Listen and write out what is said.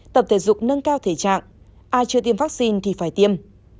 tập thể dục nâng cao thể trạng ai chưa tiêm vaccine thì phải tiêm